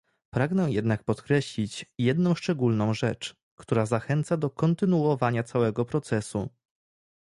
Pragnę jednak podkreślić jedną szczególną rzecz, która zachęca do kontynuowania całego procesu